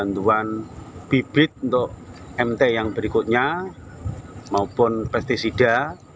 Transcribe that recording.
bantuan bibit untuk mt yang berikutnya maupun pesticida